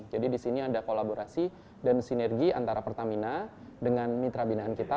di sini ada kolaborasi dan sinergi antara pertamina dengan mitra binaan kita